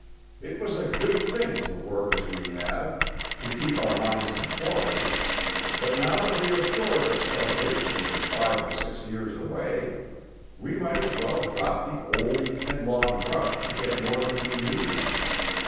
It was a good thing to work as we have, to keep our minds employed, but now that we are sure that starvation is five or six years away, we might as well drop the old, headlong rush to get more than we need.